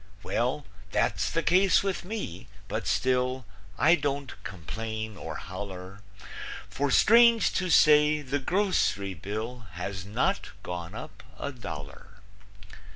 Well, that's the case with me, but still I don't complain or holler, For, strange to say, the groc'ry bill Has not gone up a dollar.